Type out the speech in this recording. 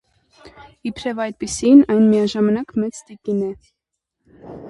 Իբրեւ այդպիսին, ան միաժամանակ մեծ տիկին է։